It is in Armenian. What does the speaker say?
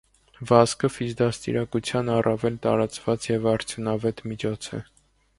Վազքը ֆիզդաստիարակության առավել տարածված և արդյունավետ միջոց է։